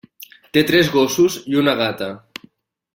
Té tres gossos i una gata.